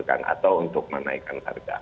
atau untuk menaikkan harga